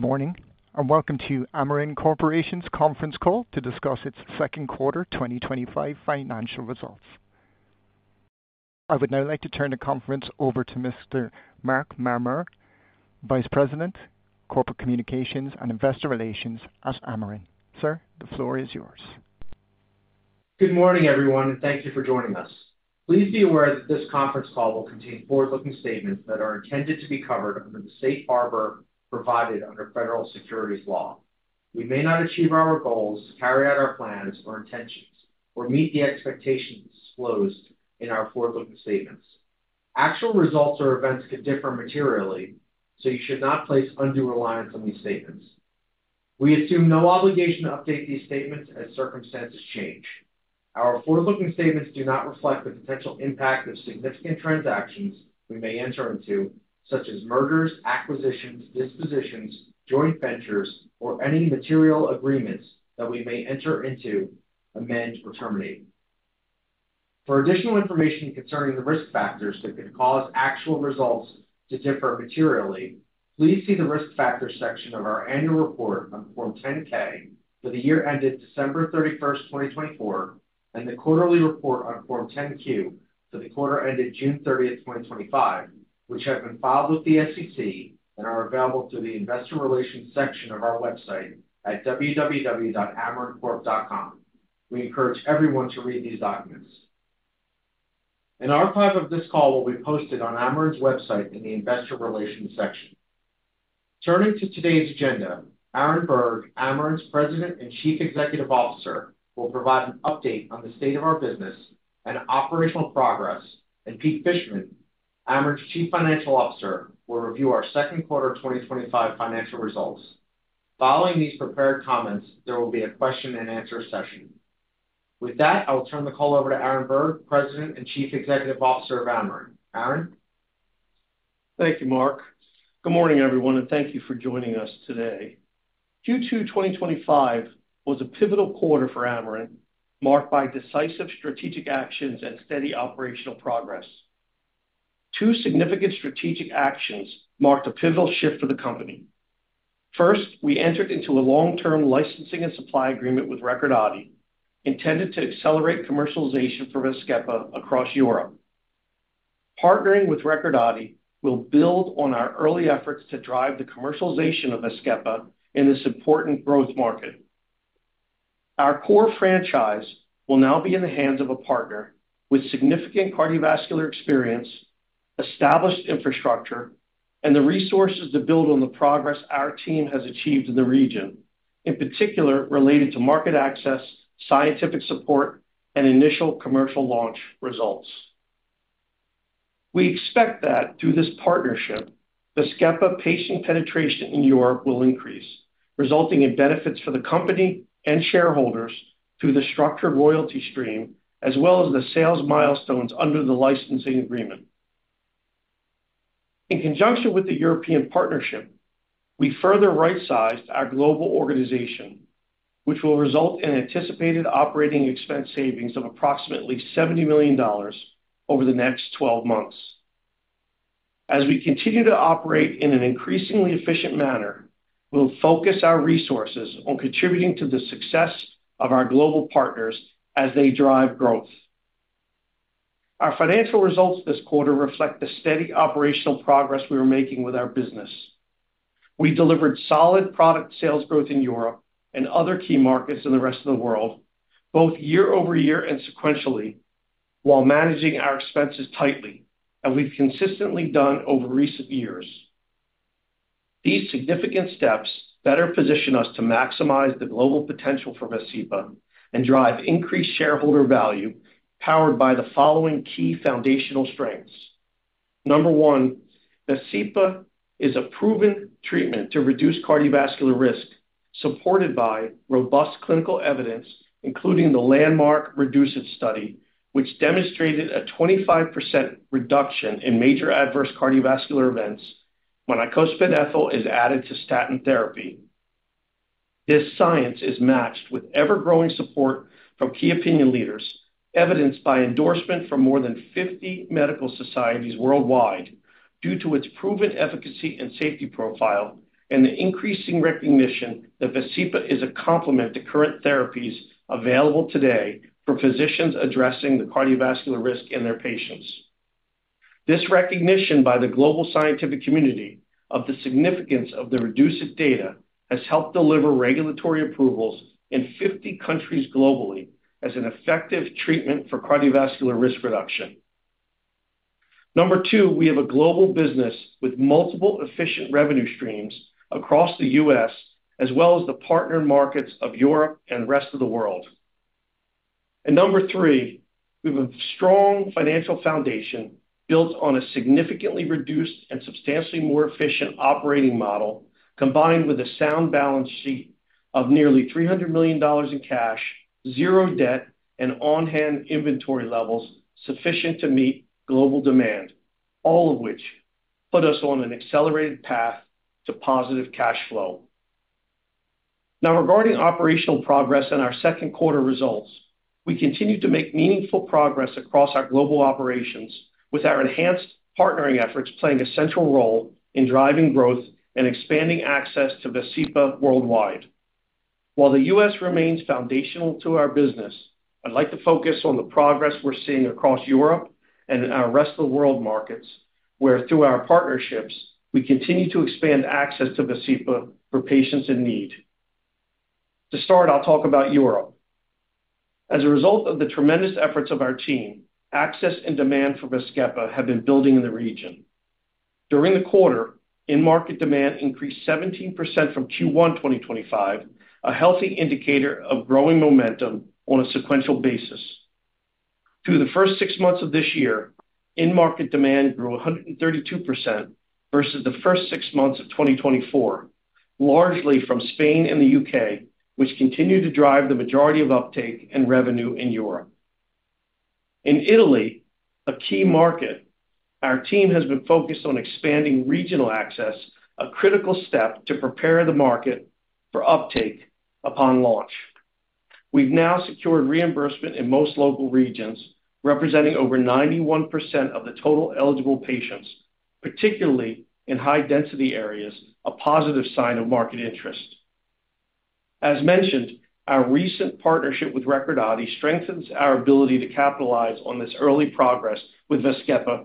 Morning, and welcome to Amarin Corporation's conference call to discuss its second quarter 2025 financial results. I would now like to turn the conference over to Mr. Mark Marmur, Vice President, Corporate Communications and Investor Relations at Amarin. Sir, the floor is yours. Good morning, everyone, and thank you for joining us. Please be aware that this conference call will contain forward-looking statements that are intended to be covered within the safe harbor provided under federal securities law. We may not achieve our goals, carry out our plans or intentions, or meet the expectations disclosed in our forward-looking statements. Actual results or events could differ materially, so you should not place undue reliance on these statements. We assume no obligation to update these statements as circumstances change. Our forward-looking statements do not reflect the potential impact of significant transactions we may enter into, such as mergers, acquisitions, dispositions, joint ventures, or any material agreements that we may enter into, amend, or terminate. For additional information concerning the risk factors that could cause actual results to differ materially, please see the risk factors section of our annual report on Form 10-K for the year ended December 31st 2024, and the quarterly report on Form 10-Q for the quarter ended June 30th 2025, which have been filed with the SEC and are available through the investor relations section of our website at www.amarincorp.com. We encourage everyone to read these documents. An archive of this call will be posted on Amarin's website in the investor relations section. Turning to today's agenda, Aaron Berg, Amarin's President and Chief Executive Officer, will provide an update on the state of our business and operational progress, and Peter Fishman, Amarin's Chief Financial Officer, will review our second quarter 2025 financial results. Following these prepared comments, there will be a question and answer session. With that, I'll turn the call over to Aaron Berg, President and Chief Executive Officer of Amarin. Aaron. Thank you, Mark. Good morning, everyone, and thank you for joining us today. Q2 2025 was a pivotal quarter for Amarin, marked by decisive strategic actions and steady operational progress. Two significant strategic actions marked a pivotal shift for the company. First, we entered into a long-term licensing and supply agreement with Recordati, intended to accelerate commercialization for Vascepa across Europe. Partnering with Recordati will build on our early efforts to drive the commercialization of Vascepa in this important growth market. Our core franchise will now be in the hands of a partner with significant cardiovascular experience, established infrastructure, and the resources to build on the progress our team has achieved in the region, in particular related to market access, scientific support, and initial commercial launch results. We expect that through this partnership, Vascepa patient penetration in Europe will increase, resulting in benefits for the company and shareholders through the structured royalty stream, as well as the sales milestones under the licensing agreement. In conjunction with the European partnership, we further right-sized our global organization, which will result in anticipated operating expense savings of approximately $70 million over the next 12 months. As we continue to operate in an increasingly efficient manner, we'll focus our resources on contributing to the success of our global partners as they drive growth. Our financial results this quarter reflect the steady operational progress we are making with our business. We delivered solid product sales growth in Europe and other key markets in the rest of the world, both year-over-year and sequentially, while managing our expenses tightly, as we've consistently done over recent years. These significant steps better position us to maximize the global potential for Vascepa and drive increased shareholder value, powered by the following key foundational strengths. Number one, Vascepa is a proven treatment to reduce cardiovascular risk, supported by robust clinical evidence, including the landmark REDUCE-IT study, which demonstrated a 25% reduction in major adverse cardiovascular events when icosapent ethyl is added to statin therapy. This science is matched with ever-growing support from key opinion leaders, evidenced by endorsement from more than 50 medical societies worldwide due to its proven efficacy and safety profile and the increasing recognition that Vascepa is a complement to current therapies available today for physicians addressing the cardiovascular risk in their patients. This recognition by the global scientific community of the significance of the REDUCE-IT data has helped deliver regulatory approvals in 50 countries globally as an effective treatment for cardiovascular risk reduction. Number two, we have a global business with multiple efficient revenue streams across the U.S., as well as the partner markets of Europe and the rest of the world. Number three, we have a strong financial foundation built on a significantly reduced and substantially more efficient operating model, combined with a sound balance sheet of nearly $300 million in cash, zero debt, and on-hand inventory levels sufficient to meet global demand, all of which put us on an accelerated path to positive cash flow. Now, regarding operational progress and our second quarter results, we continue to make meaningful progress across our global operations, with our enhanced partnering efforts playing a central role in driving growth and expanding access to Vascepa worldwide. While the U.S. remains foundational to our business, I'd like to focus on the progress we're seeing across Europe and our rest of the world markets, where through our partnerships, we continue to expand access to Vascepa for patients in need. To start, I'll talk about Europe. As a result of the tremendous efforts of our team, access and demand for Vascepa have been building in the region. During the quarter, in-market demand increased 17% from Q1 2025, a healthy indicator of growing momentum on a sequential basis. Through the first six months of this year, in-market demand grew 132% versus the first six months of 2024, largely from Spain and the U.K., which continue to drive the majority of uptake and revenue in Europe. In Italy, a key market, our team has been focused on expanding regional access, a critical step to prepare the market for uptake upon launch. We've now secured reimbursement in most local regions, representing over 91% of the total eligible patients, particularly in high-density areas, a positive sign of market interest. As mentioned, our recent partnership with Recordati strengthens our ability to capitalize on this early progress with Vascepa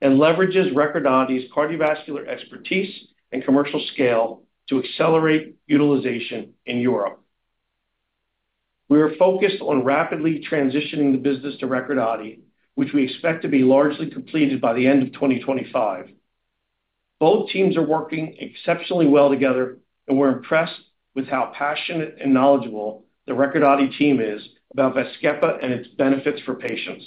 and leverages Recordati's cardiovascular expertise and commercial scale to accelerate utilization in Europe. We are focused on rapidly transitioning the business to Recordati, which we expect to be largely completed by the end of 2025. Both teams are working exceptionally well together, and we're impressed with how passionate and knowledgeable the Recordati team is about Vascepa and its benefits for patients.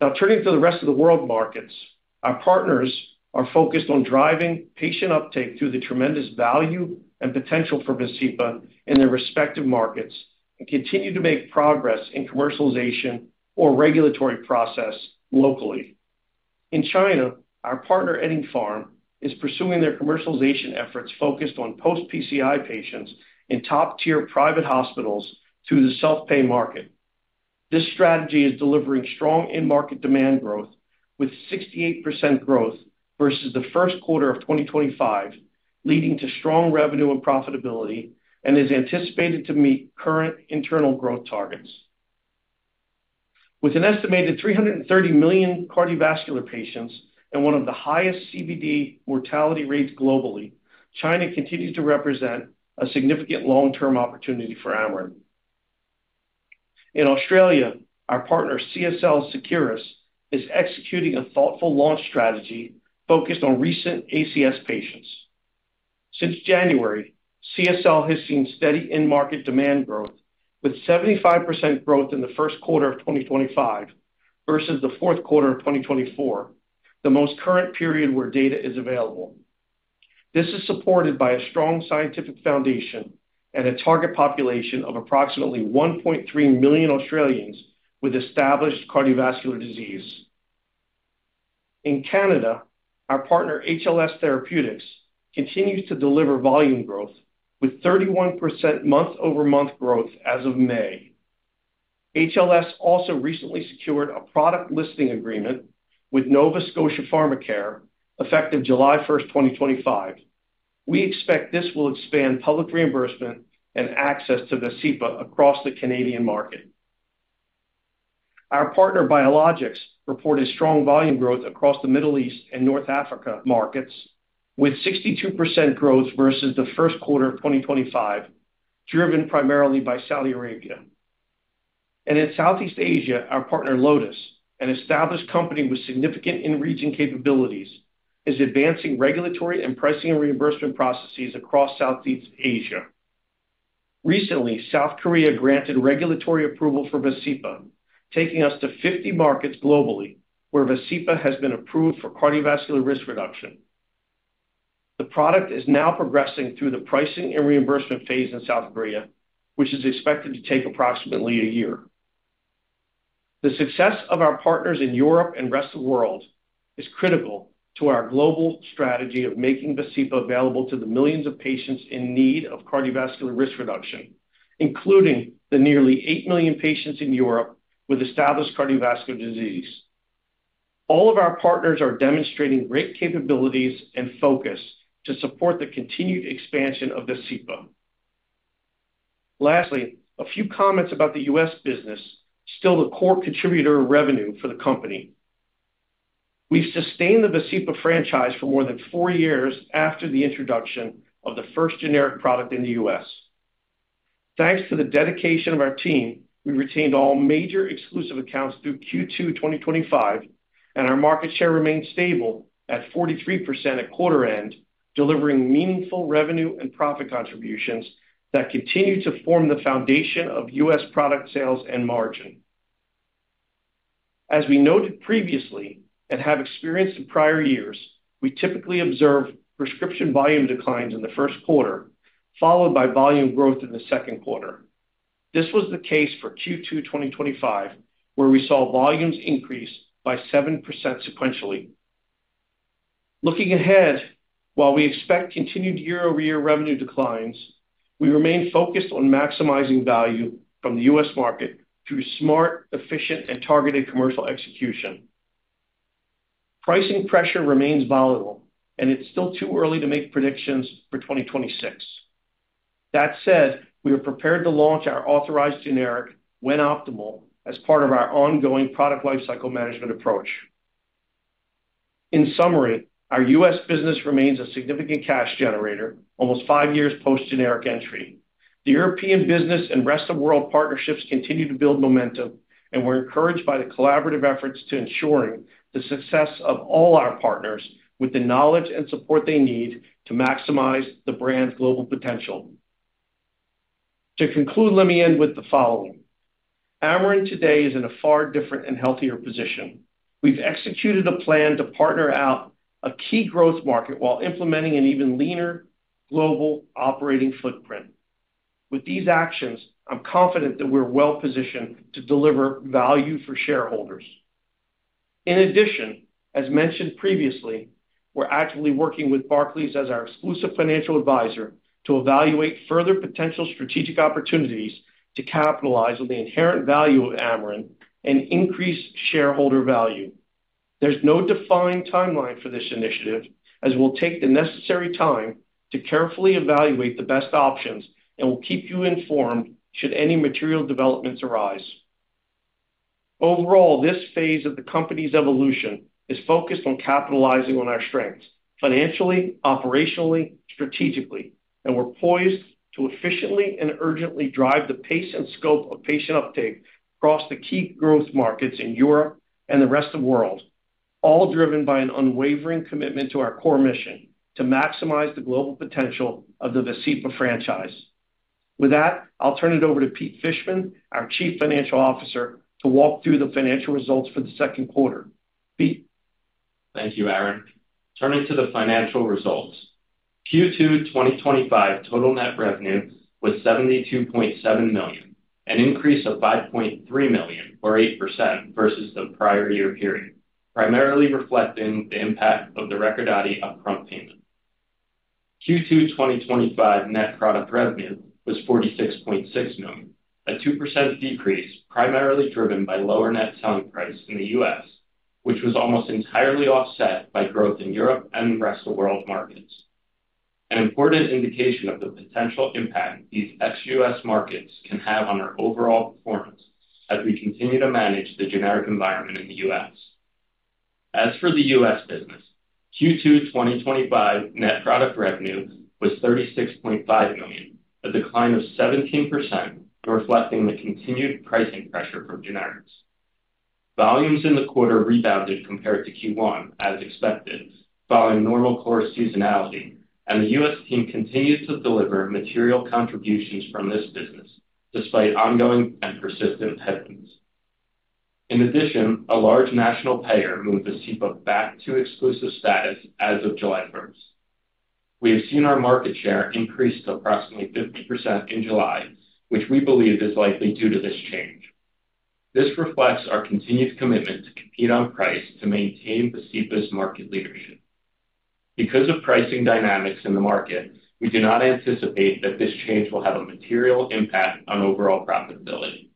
Now, turning to the rest of the world markets, our partners are focused on driving patient uptake through the tremendous value and potential for Vascepa in their respective markets and continue to make progress in commercialization or regulatory process locally. In China, our partner, Eddingpharm, is pursuing their commercialization efforts focused on post-PCI patients in top-tier private hospitals through the self-pay market. This strategy is delivering strong in-market demand growth, with 68% growth versus the first quarter of 2025, leading to strong revenue and profitability and is anticipated to meet current internal growth targets. With an estimated 330 million cardiovascular patients and one of the highest CVD mortality rates globally, China continues to represent a significant long-term opportunity for Amarin. In Australia, our partner, CSL Seqirus, is executing a thoughtful launch strategy focused on recent ACS patients. Since January, CSL has seen steady in-market demand growth, with 75% growth in the first quarter of 2025 versus the fourth quarter of 2024, the most current period where data is available. This is supported by a strong scientific foundation and a target population of approximately 1.3 million with established cardiovascular disease. In Canada, our partner, HLS Therapeutics, continues to deliver volume growth, with 31% month-over-month growth as of May. HLS also recently secured a product listing agreement with Nova Scotia Pharmacare, effective July first 2025. We expect this will expand public reimbursement and access to Vascepa across the Canadian market. Our partner, Biologix, reported strong volume growth across the Middle East and North Africa markets, with 62% growth versus the first quarter of 2025, driven primarily by Saudi Arabia. In Southeast Asia, our partner, Lotus, an established company with significant in-region capabilities, is advancing regulatory and pricing and reimbursement processes across Southeast Asia. Recently, South Korea granted regulatory approval for Vascepa, taking us to 50 markets globally where Vascepa has been approved for cardiovascular risk reduction. The product is now progressing through the pricing and reimbursement phase in South Korea, which is expected to take approximately a year. The success of our partners in Europe and the rest of the world is critical to our global strategy of making Vascepa available to the millions of patients in need of cardiovascular risk reduction, including the nearly 8 million patients in Europe with established cardiovascular disease. All of our partners are demonstrating great capabilities and focus to support the continued expansion of Vascepa. Lastly, a few comments about the U.S. business, still the core contributor of revenue for the company. We've sustained the Vascepa franchise for more than four years after the introduction of the first generic product in the U.S. Thanks to the dedication of our team, we retained all major exclusive accounts through Q2 2025, and our market share remained stable at 43% at quarter end, delivering meaningful revenue and profit contributions that continue to form the foundation of U.S. product sales and margin. As we noted previously and have experienced in prior years, we typically observe prescription volume declines in the first quarter, followed by volume growth in the second quarter. This was the case for Q2 2025, where we saw volumes increase by 7% sequentially. Looking ahead, while we expect continued year-over-year revenue declines, we remain focused on maximizing value from the U.S. market through smart, efficient, and targeted commercial execution. Pricing pressure remains volatile, and it's still too early to make predictions for 2026. That said, we are prepared to launch our authorized generic when optimal as part of our ongoing product lifecycle management approach. In summary, our U.S. business remains a significant cash generator, almost five years post-generic entry. The European business and rest of the world partnerships continue to build momentum, and we're encouraged by the collaborative efforts to ensure the success of all our partners with the knowledge and support they need to maximize the brand's global potential. To conclude, let me end with the following. Amarin today is in a far different and healthier position. We've executed a plan to partner out a key growth market while implementing an even leaner global operating footprint. With these actions, I'm confident that we're well positioned to deliver value for shareholders. In addition, as mentioned previously, we're actively working with Barclays as our exclusive financial advisor to evaluate further potential strategic opportunities to capitalize on the inherent value of Amarin and increase shareholder value. There's no defined timeline for this initiative, as we'll take the necessary time to carefully evaluate the best options, and we'll keep you informed should any material developments arise. Overall, this phase of the company's evolution is focused on capitalizing on our strengths, financially, operationally, strategically, and we're poised to efficiently and urgently drive the pace and scope of patient uptake across the key growth markets in Europe and the rest of the world, all driven by an unwavering commitment to our core mission to maximize the global potential of the Vascepa franchise. With that, I'll turn it over to Peter Fishman, our Chief Financial Officer, to walk through the financial results for the second quarter. Peter. Thank you, Aaron. Turning to the financial results, Q2 2025 total net revenue was $72.7 million, an increase of $5.3 million or 8% versus the prior year period, primarily reflecting the impact of the Recordati upfront payment. Q2 2025 net product revenue was $46.6 million, a 2% decrease primarily driven by lower net selling price in the U.S., which was almost entirely offset by growth in Europe and the rest of the world markets. An important indication of the potential impact these ex-U.S. markets can have on our overall performance as we continue to manage the generic environment in the U.S. As for the U.S. business, Q2 2025 net product revenue was $36.5 million, a decline of 17%, reflecting the continued pricing pressure from generics. Volumes in the quarter rebounded compared to Q1, as expected, following normal core seasonality, and the U.S. team continues to deliver material contributions from this business despite ongoing and persistent headwinds. In addition, a large national payer moved Vascepa back to exclusive status as of July first. We have seen our market share increase to approximately 50% in July, which we believe is likely due to this change. This reflects our continued commitment to the lead-on price to maintain Vascepa's market leadership. Because of pricing dynamics in the market, we do not anticipate that this change will have a material impact on overall profitability.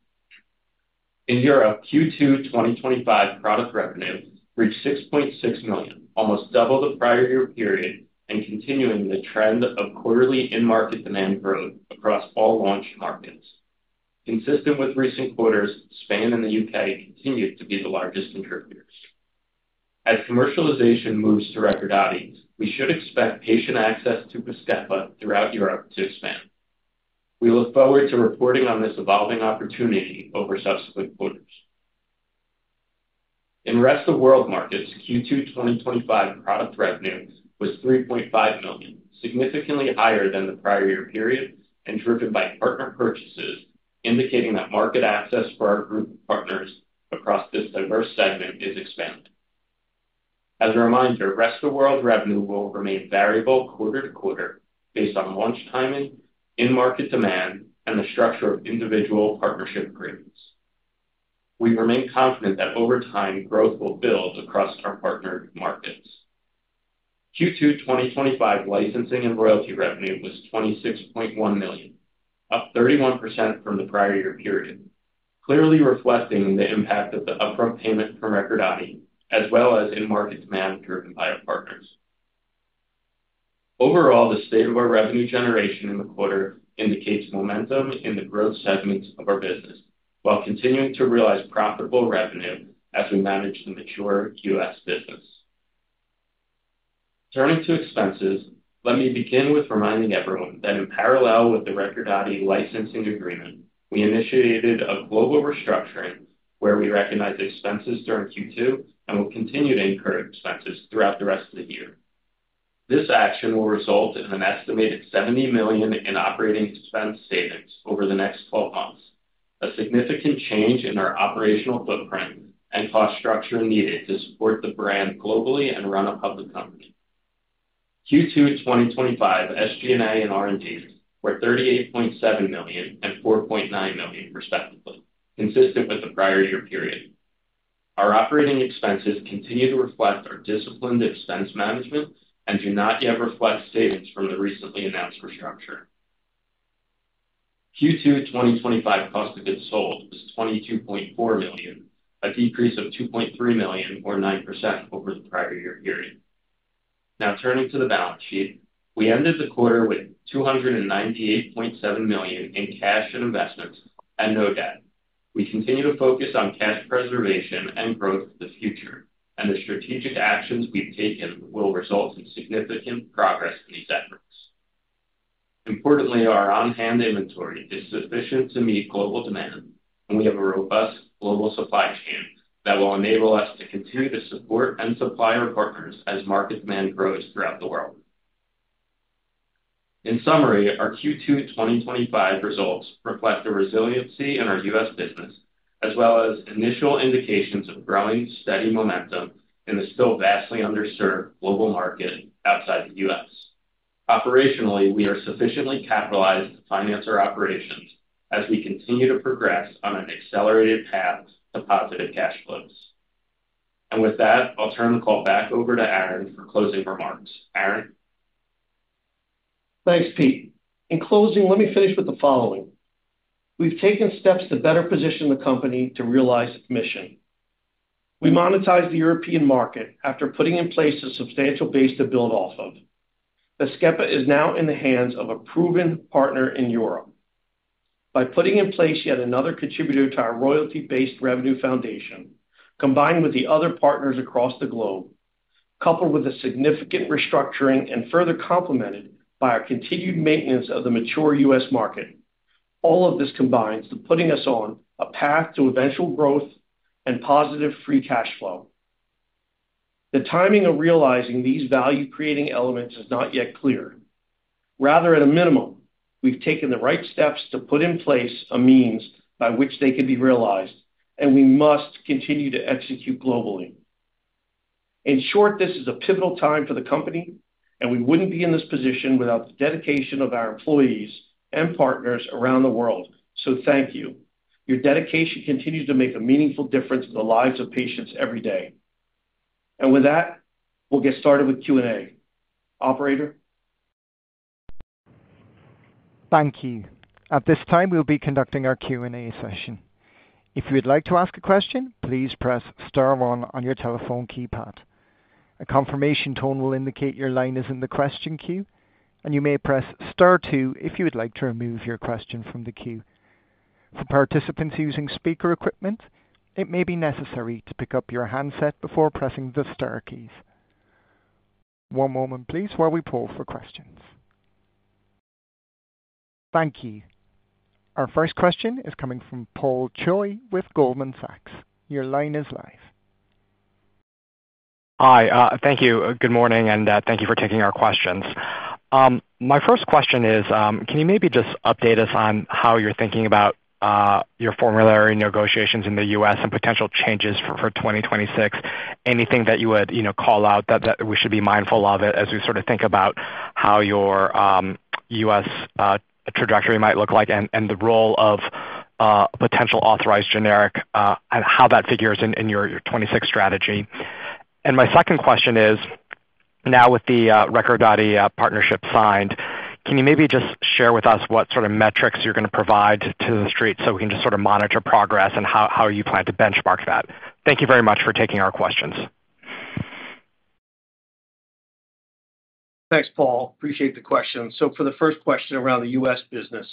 In Europe, Q2 2025 product revenue reached $6.6 million, almost double the prior year period, and continuing the trend of quarterly in-market demand growth across all launch markets. Consistent with recent quarters, Spain and the UK continue to be the largest contributors. As commercialization moves to Recordati, we should expect patient access to Vascepa throughout Europe to expand. We look forward to reporting on this evolving opportunity over subsequent quarters. In the rest of the world markets, Q2 2025 product revenue was $3.5 million, significantly higher than the prior year period and driven by partner purchases, indicating that market access for our group of partners across this diverse segment is expanding. As a reminder, rest of the world revenue will remain variable quarter to quarter based on launch timing, in-market demand, and the structure of individual partnership agreements. We remain confident that over time, growth will build across our partner markets. Q2 2025 licensing and royalty revenue was $26.1 million, up 31% from the prior year period, clearly reflecting the impact of the upfront payment from Recordati, as well as in-market demand driven by our partners. Overall, the state of our revenue generation in the quarter indicates momentum in the growth segments of our business, while continuing to realize profitable revenue as we manage the mature U.S. business. Turning to expenses, let me begin with reminding everyone that in parallel with the Recordati licensing agreement, we initiated a global restructuring where we recognize expenses during Q2 and will continue to incur expenses throughout the rest of the year. This action will result in an estimated $70 million in operating expense savings over the next 12 months, a significant change in our operational footprint and cost structure needed to support the brand globally and run a public company. Q2 2025 SG&A and R&D were $38.7 million and $4.9 million, consistent with the prior year period. Our operating expenses continue to reflect our disciplined expense management and do not yet reflect savings from the recently announced restructure. Q2 2025 cost of goods sold was $22.4 million, a decrease of $2.3 million or 9% over the prior year period. Now, turning to the balance sheet, we ended the quarter with $298.7 million in cash and investments and no debt. We continue to focus on cash preservation and growth for the future, and the strategic actions we've taken will result in significant progress in these efforts. Importantly, our on-hand inventory is sufficient to meet global demand, and we have a robust global supply chain that will enable us to continue to support and supply our partners as market demand grows throughout the world. In summary, our Q2 2025 results reflect the resiliency in our U.S. business, as well as initial indications of growing steady momentum in the still vastly underserved global market outside the U.S. Operationally, we are sufficiently capitalized to finance our operations as we continue to progress on an accelerated path to positive cash flows. With that, I'll turn the call back over to Aaron for closing remarks. Aaron. Thanks, Pet. In closing, let me finish with the following. We've taken steps to better position the company to realize its mission. We monetized the European market after putting in place a substantial base to build off of. Vascepa is now in the hands of a proven partner in Europe. By putting in place yet another contributor to our royalty-based revenue foundation, combined with the other partners across the globe, coupled with a significant restructuring and further complemented by our continued maintenance of the mature U.S. market, all of this combines to putting us on a path to eventual growth and positive free cash flow. The timing of realizing these value-creating elements is not yet clear. Rather, at a minimum, we've taken the right steps to put in place a means by which they could be realized, and we must continue to execute globally. In short, this is a pivotal time for the company, and we wouldn't be in this position without the dedication of our employees and partners around the world. Thank you. Your dedication continues to make a meaningful difference in the lives of patients every day. With that, we'll get started with Q&A. Operator. Thank you. At this time, we'll be conducting our Q&A session. If you would like to ask a question, please press *1 on your telephone keypad. A confirmation tone will indicate your line is in the question queue, and you may press *2 if you would like to remove your question from the queue. For participants using speaker equipment, it may be necessary to pick up your handset before pressing the * keys. One moment, please, while we poll for questions. Thank you. Our first question is coming from Paul Choi with Goldman Sachs. Your line is live. Hi, thank you. Good morning, and thank you for taking our questions. My first question is, can you maybe just update us on how you're thinking about your formulary negotiations in the U.S. and potential changes for 2026? Anything that you would call out that we should be mindful of as we sort of think about how your U.S. trajectory might look like and the role of potential authorized generic and how that figures in your 2026 strategy. My second question is, now with the Recordati partnership signed, can you maybe just share with us what sort of metrics you're going to provide to the street so we can just sort of monitor progress and how you plan to benchmark that? Thank you very much for taking our questions. Thanks, Paul. Appreciate the question. For the first question around the U.S. business,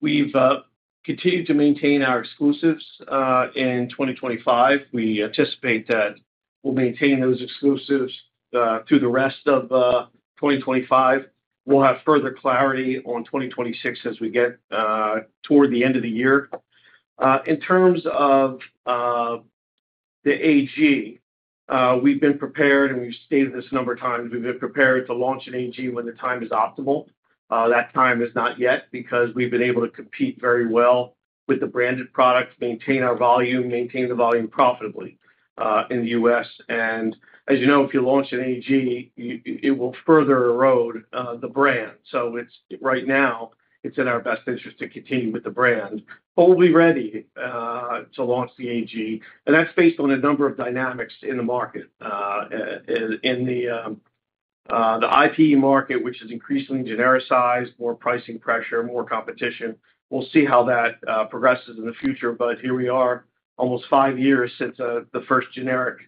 we've continued to maintain our exclusives in 2025. We anticipate that we'll maintain those exclusives through the rest of 2025. We'll have further clarity on 2026 as we get toward the end of the year. In terms of the AG, we've been prepared, and we've stated this a number of times, we've been prepared to launch an AG when the time is optimal. That time is not yet because we've been able to compete very well with the branded products, maintain our volume, maintain the volume profitably in the U.S. As you know, if you launch an AG, it will further erode the brand. Right now, it's in our best interest to continue with the brand. We'll be ready to launch the AG, and that's based on a number of dynamics in the market. In the IPE market, which is increasingly genericized, more pricing pressure, more competition. We'll see how that progresses in the future. Here we are, almost five years since the first generic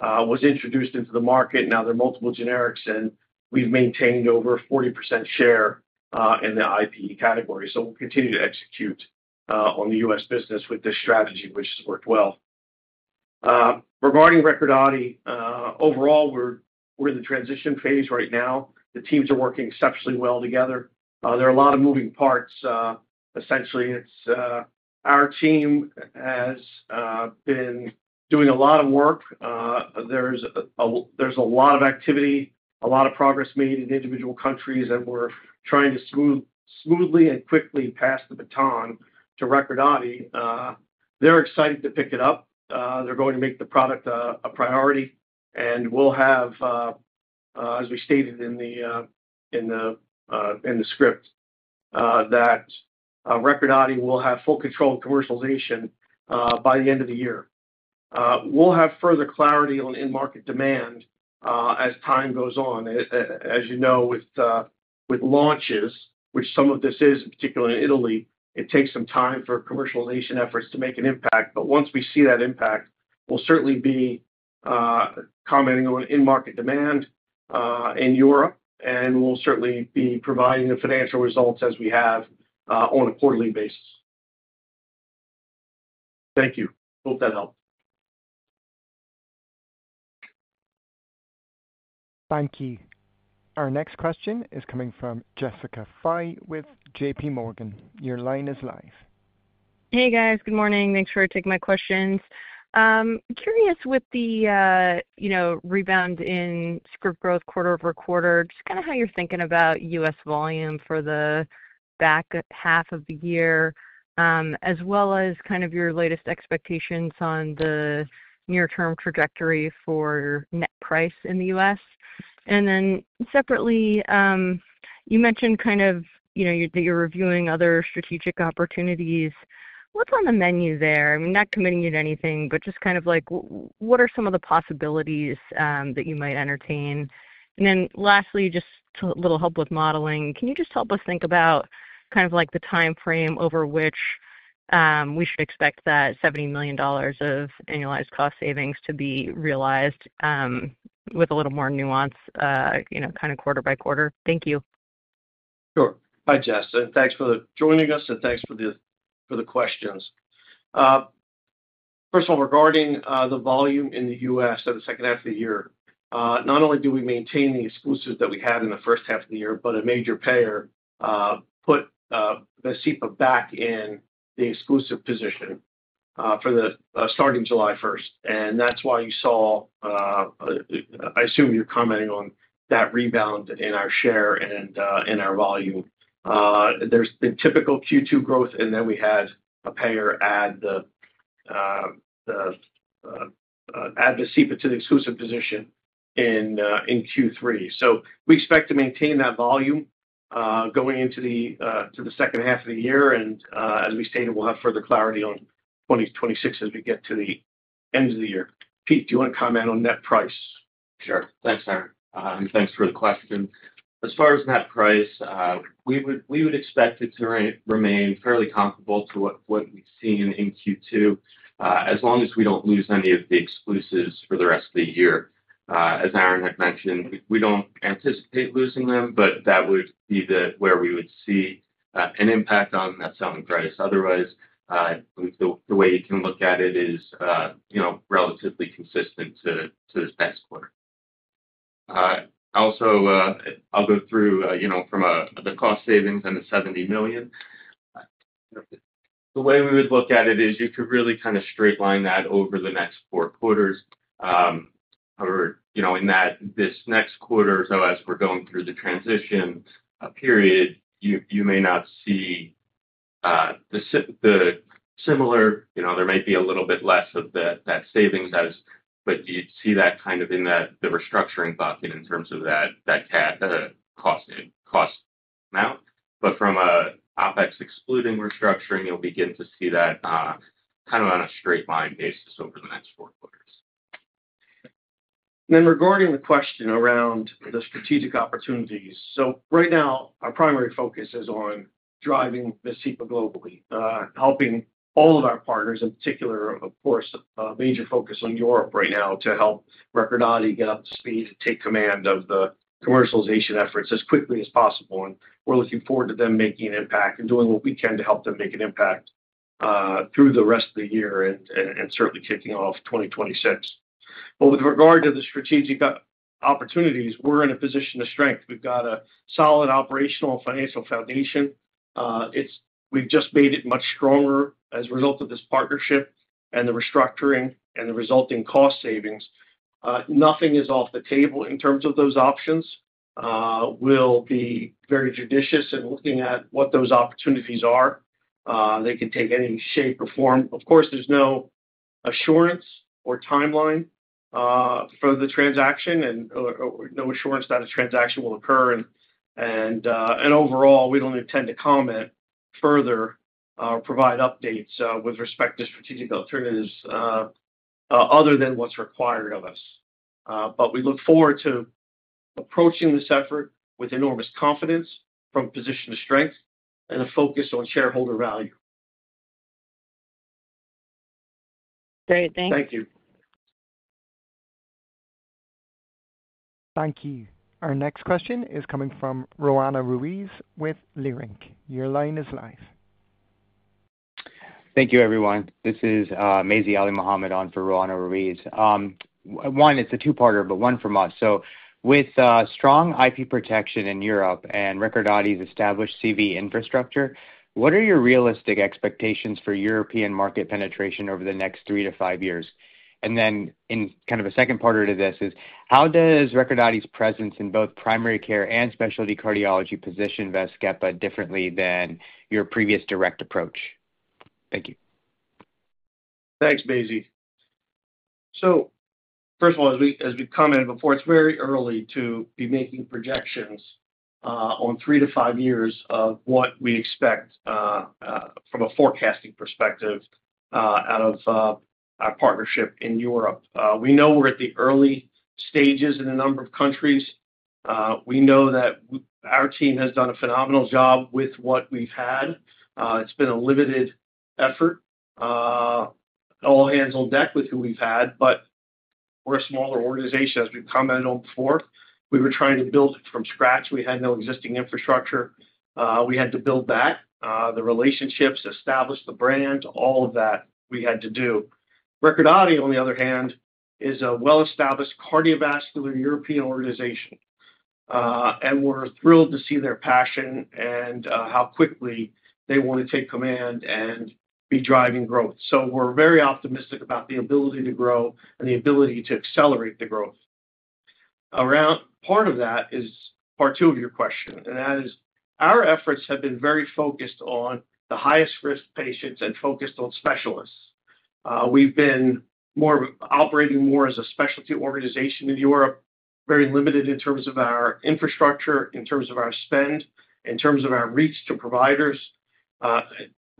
was introduced into the market. Now there are multiple generics, and we've maintained over a 40% share in the IPE category. We'll continue to execute on the U.S. business with this strategy, which has worked well. Regarding Recordati, overall, we're in the transition phase right now. The teams are working exceptionally well together. There are a lot of moving parts, essentially. Our team has been doing a lot of work. There's a lot of activity, a lot of progress made in individual countries that we're trying to smoothly and quickly pass the baton to Recordati. They're excited to pick it up. They're going to make the product a priority. As we stated in the script, Recordati will have full control of commercialization by the end of the year. We'll have further clarity on in-market demand as time goes on. As you know, with launches, which some of this is, particularly in Italy, it takes some time for commercialization efforts to make an impact. Once we see that impact, we'll certainly be commenting on in-market demand in Europe, and we'll certainly be providing the financial results as we have on a quarterly basis. Thank you. Hope that helped. Thank you. Our next question is coming from Jessica Fye with JPMorgan. Your line is live. Hey, guys. Good morning. Thanks for taking my questions. I'm curious with the rebound in script growth quarter over quarter, just kind of how you're thinking about U.S. volume for the back half of the year, as well as kind of your latest expectations on the near-term trajectory for net price in the U.S.? Separately, you mentioned kind of that you're reviewing other strategic opportunities. What's on the menu there? I'm not committing you to anything, but just kind of like what are some of the possibilities that you might entertain? Lastly, just a little help with modeling. Can you just help us think about kind of like the timeframe over which we should expect that $70 million of annualized cost savings to be realized with a little more nuance, you know, kind of quarter by quarter? Thank you. Sure. Hi, Jess. Thanks for joining us and thanks for the questions. First of all, regarding the volume in the U.S. at the second half of the year, not only do we maintain the exclusive that we had in the first half of the year, but a major payer put Vascepa back in the exclusive position starting July first. That is why you saw, I assume you're commenting on that rebound in our share and in our volume. There has been typical Q2 growth, and we had a payer add Vascepa to the exclusive position in Q3. We expect to maintain that volume going into the second half of the year. As we stated, we'll have further clarity on 2026 as we get to the end of the year. Pete, do you want to comment on net price? Sure. Thanks, Aaron. Thanks for the question. As far as net price, we would expect it to remain fairly comparable to what we've seen in Q2, as long as we don't lose any of the exclusives for the rest of the year. As Aaron had mentioned, we don't anticipate losing them. That would be where we would see an impact on net selling price. Otherwise, the way you can look at it is relatively consistent to this past quarter. Also, I'll go through from the cost savings and the $70 million. The way we would look at it is you could really kind of straightline that over the next four quarters. In this next quarter, as we're going through the transition period, you may not see the similar, you know, there might be a little bit less of that savings, but you'd see that in the restructuring bucket in terms of that cost amount. From OpEx excluding restructuring, you'll begin to see that on a straight line basis over the next four quarters. Regarding the question around the strategic opportunities, right now, our primary focus is on driving Vascepa globally, helping all of our partners, in particular, of course, a major focus on Europe right now to help Recordati get up to speed and take command of the commercialization efforts as quickly as possible. We are looking forward to them making an impact and doing what we can to help them make an impact through the rest of the year and certainly kicking off 2026. With regard to the strategic opportunities, we are in a position of strength. We have got a solid operational and financial foundation. We have just made it much stronger as a result of this partnership and the restructuring and the resulting cost savings. Nothing is off the table in terms of those options. We will be very judicious in looking at what those opportunities are. They could take any shape or form. There is no assurance or timeline for the transaction and no assurance that a transaction will occur. Overall, we do not intend to comment further or provide updates with respect to strategic alternatives other than what is required of us. We look forward to approaching this effort with enormous confidence from a position of strength and a focus on shareholder value. Great. Thank you. Thank you. Thank you. Our next question is coming from Roanna Ruiz with Leerink. Your line is live. Thank you, everyone. This is Mazi Alimohamed on for Roanna Ruiz. One, it's a two-parter, but one from us. With strong IP protection in Europe and Recordati's established CV infrastructure, what are your realistic expectations for European market penetration over the next three to five years? In kind of a second parter to this, how does Recordati's presence in both primary care and specialty cardiology position Vascepa differently than your previous direct approach? Thank you. Thanks, Maisie. First of all, as we commented before, it's very early to be making projections on three to five years of what we expect from a forecasting perspective out of our partnership in Europe. We know we're at the early stages in a number of countries. We know that our team has done a phenomenal job with what we've had. It's been a limited effort, all hands on deck with who we've had. We're a smaller organization, as we've commented on before. We were trying to build it from scratch. We had no existing infrastructure. We had to build that, the relationships, establish the brand, all of that we had to do. Recordati, on the other hand, is a well-established cardiovascular European organization. We're thrilled to see their passion and how quickly they want to take command and be driving growth. We're very optimistic about the ability to grow and the ability to accelerate the growth. Part of that is part two of your question. Our efforts have been very focused on the highest risk patients and focused on specialists. We've been operating more as a specialty organization in Europe, very limited in terms of our infrastructure, in terms of our spend, in terms of our reach to providers.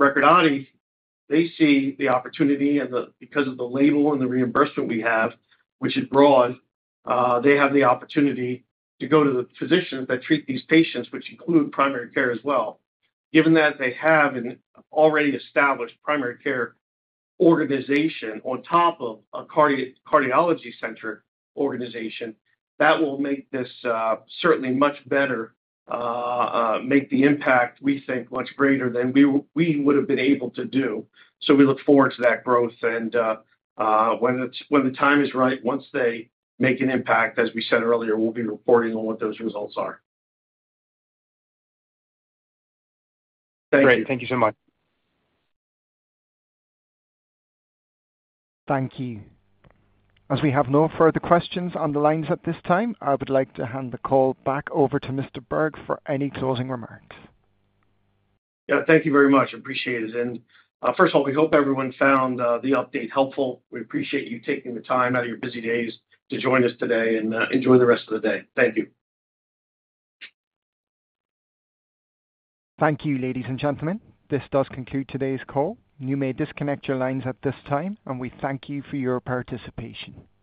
Recordati sees the opportunity because of the label and the reimbursement we have, which is broad. They have the opportunity to go to the physicians that treat these patients, which include primary care as well. Given that they have an already established primary care organization on top of a cardiology center organization, that will make this certainly much better, make the impact, we think, much greater than we would have been able to do. We look forward to that growth. When the time is right, once they make an impact, as we said earlier, we'll be reporting on what those results are. Thank you. Great. Thank you so much. Thank you. As we have no further questions on the lines at this time, I would like to hand the call back over to Mr. Berg for any closing remarks. Thank you very much. I appreciate it. First of all, we hope everyone found the update helpful. We appreciate you taking the time out of your busy days to join us today and enjoy the rest of the day. Thank you. Thank you, ladies and gentlemen. This does conclude today's call. You may disconnect your lines at this time, and we thank you for your participation.